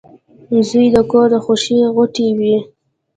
• زوی د کور د خوښۍ غوټۍ وي.